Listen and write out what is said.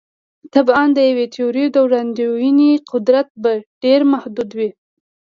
طبعاً د یوې تیورۍ د وړاندوینې قدرت به ډېر محدود وي.